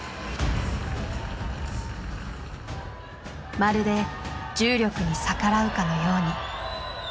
まるで重力に逆らうかのように。